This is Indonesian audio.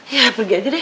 ya pergi aja deh